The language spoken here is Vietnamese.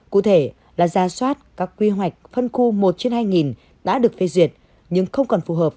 cụ thể là ra soát các quy hoạch phân khu một trên hai nghìn đã được phê duyệt nhưng không còn phù hợp